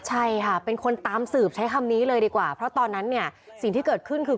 ใช่ค่ะเป็นคนตามสืบใช้คำนี้เลยดีกว่าเพราะตอนนั้นเนี่ยสิ่งที่เกิดขึ้นคือ